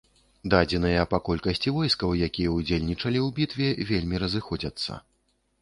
Дадзеныя па колькасці войскаў, якія ўдзельнічалі ў бітве, вельмі разыходзяцца.